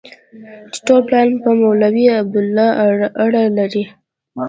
چې ټول پلان په مولوي عبیدالله اړه لري.